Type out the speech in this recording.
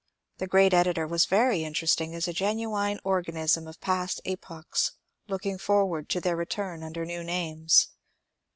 The great editor was very interesting as a genuine organism of past epochs looking forward to their return under new names.